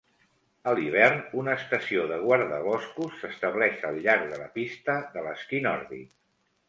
A l'hivern, una estació de guardaboscos s'estableix al llarg de la pista de l'esquí nòrdic.